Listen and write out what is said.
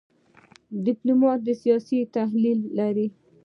ډيپلومات سیاسي تحلیل لري .